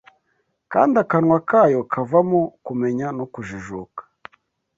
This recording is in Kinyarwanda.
kandi akanwa kayo kakavamo “kumenya no kujijuka